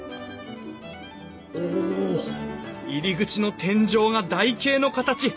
おお入り口の天井が台形の形。